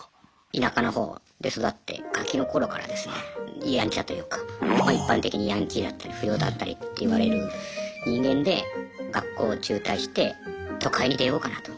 田舎のほうで育ってガキの頃からですねやんちゃというか一般的にヤンキーだったり不良だったりっていわれる人間で学校を中退して都会に出ようかなと。